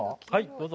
どうぞ。